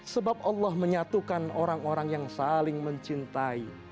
sebab allah menyatukan orang orang yang saling mencintai